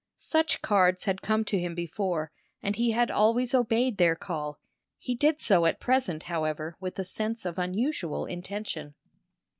Such cards had come to him before, and he had always obeyed their call; he did so at present, however, with a sense of unusual intention.